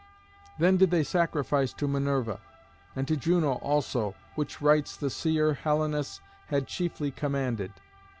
Then did they sacrifice to Minerva, and to Juno also, which rites the seer Helenus had chiefly commanded.